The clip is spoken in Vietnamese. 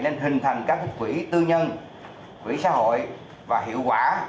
nên hình thành các quỹ tư nhân quỹ xã hội và hiệu quả